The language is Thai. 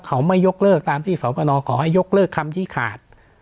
เขาไม่ยกเลิกตามที่สพนขอให้ยกเลิกคำชี้ขาด